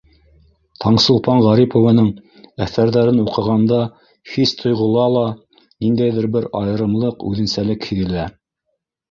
Таңсулпан Ғарипованың әҫәрҙәрен уҡығанда хис-тойғола ла ниндәйҙер бер айырымлыҡ, үҙенсәлек һиҙелә.